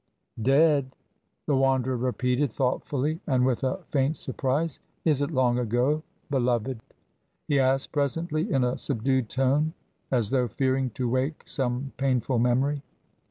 "Dead!" the Wanderer repeated, thoughtfully and with a faint surprise. "Is it long ago, beloved?" he asked presently, in a subdued tone as though fearing to wake some painful memory.